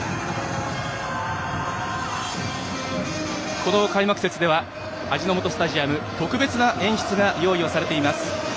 この開幕節では味の素スタジアム特別な演出が用意されています。